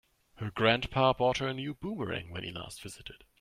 Her grandpa bought her a new boomerang when he last visited.